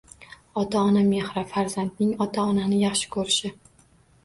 “Ota-ona mehri”, “Farzandning ota-onani yaxshi ko’rishi”